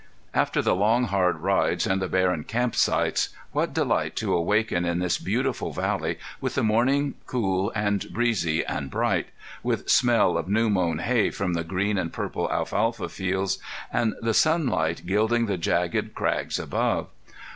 After the long, hard rides and the barren camp sites what delight to awaken in this beautiful valley with the morning cool and breezy and bright, with smell of new mown hay from the green and purple alfalfa fields, and the sunlight gilding the jagged crags above!